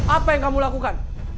apa yang kamu lakukan